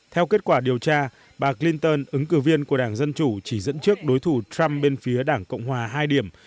theo kết quả điều tra bà clinton ứng cử viên của đảng dân chủ chỉ dẫn trước đối thủ trump bên phía đảng cộng hòa hai điểm